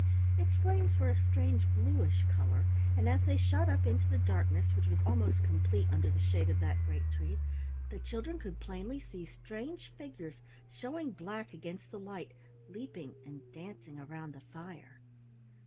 Its flames were a strange bluish color, and as they shot up into the darkness which was almost complete under the shade of that great tree, the children could plainly see strange figures showing black against the light, leaping and dancing around the fire.